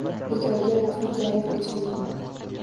Bekorga vaqtni zoya qilish mumkin.